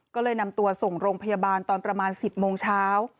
ก็เลยนำตัวส่งโรงพยาบาลตอนประมาณ๑๐โมงเช้า